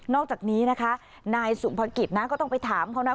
อกจากนี้นะคะนายสุภกิจนะก็ต้องไปถามเขานะ